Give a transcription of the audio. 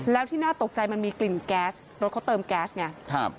แล้วที่น่าตกใจมันมีกลิ่นแก๊สรถเขาเติมแก๊สไงครับ